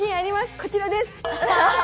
こちらです！